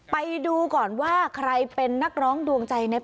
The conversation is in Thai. ไปดูก่อนว่าใครเป็นนักร้องดวงใจเนี่ย